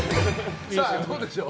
どうでしょう？